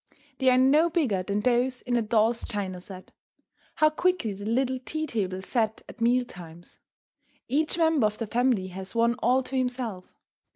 They are no bigger than those in a doll's china set. How quickly the little tea table is set at meal times. Each member of the family has one all to himself.